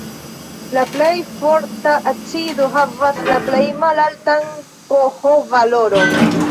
La plej forta acido havas la plej malaltan pH-valoron.